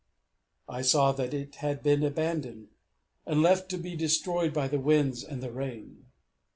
I saw that it had been abandoned, and left to be destroyed by the winds and the rain.